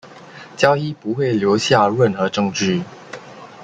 交易不会留下任何证据。